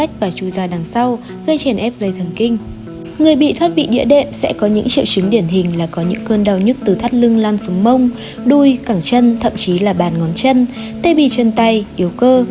cơn đau nhất từ thắt lưng lan xuống mông đuôi cảng chân thậm chí là bàn ngón chân tay bì chân tay yếu cơ